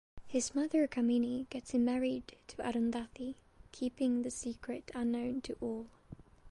His mother Kamini gets him married to Arundhati keeping the secret unknown to all.